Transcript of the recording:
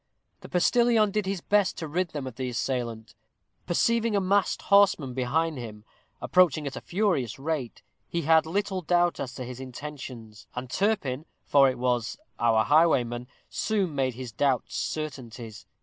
The postilion did his best to rid them of the assailant. Perceiving a masked horseman behind him, approaching at a furious rate, he had little doubt as to his intentions, and Turpin, for it was our highwayman, soon made his doubts certainties.